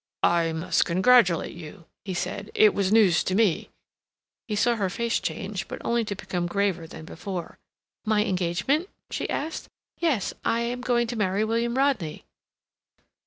"I must congratulate you," he said. "It was news to me." He saw her face change, but only to become graver than before. "My engagement?" she asked. "Yes, I am going to marry William Rodney."